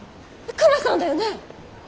クマさんだよね？